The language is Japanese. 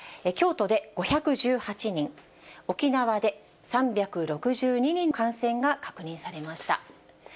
京都で５１８人、沖縄で３６２人の感染が確認されました。